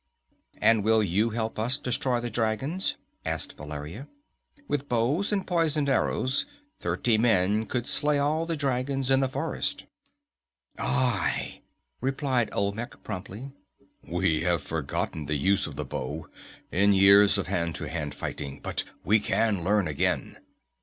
"And will you help us destroy the dragons?" asked Valeria. "With bows and poisoned arrows thirty men could slay all the dragons in the forest." "Aye!" replied Olmec promptly. "We have forgotten the use of the bow, in years of hand to hand fighting, but we can learn again."